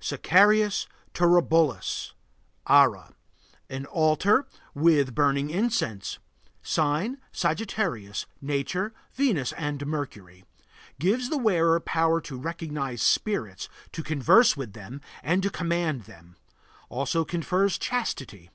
SACRARIUS TURUBULUS (ARA). An altar with burning incense. Sign: Sagittarius. Nature: Venus and Mercury. Gives the wearer power to recognize spirits, to converse with them, and to command them; also confers chastity.